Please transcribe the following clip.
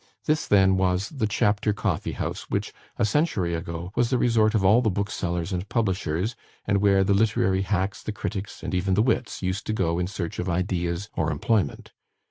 This then was the Chapter Coffee house, which, a century ago, was the resort of all the booksellers and publishers; and where the literary hacks, the critics, and even the wits, used to go in search of ideas or employment.